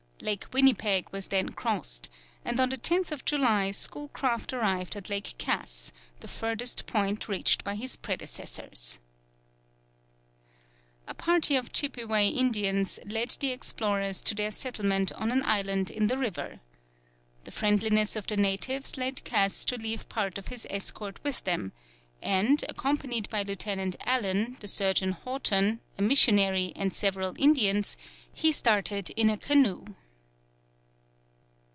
Lake Winnipeg was then crossed, and on the 10th July, Schoolcraft arrived at Lake Cass, the furthest point reached by his predecessors. [Illustration: Map of the sources of the Mississippi, 1836.] A party of Chippeway Indians led the explorers to their settlement on an island in the river. The friendliness of the natives led Cass to leave part of his escort with them, and, accompanied by Lieutenant Allen, the surgeon Houghton, a missionary, and several Indians, he started in a canoe.